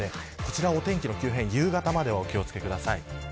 お天気の急変、夕方まではお気を付けください。